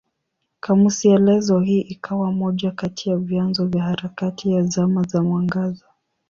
Kamusi elezo hii ikawa moja kati ya vyanzo vya harakati ya Zama za Mwangaza.